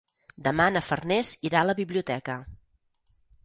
Demà na Farners irà a la biblioteca.